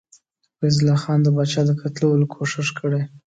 فیض الله خان د پاچا د قتلولو کوښښ کړی.